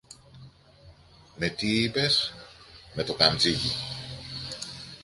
Με τι, είπες; Με το καμτσίκι!